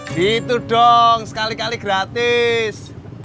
gitu dong sekali kali gratis